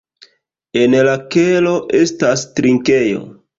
En la kelo estas trinkejo.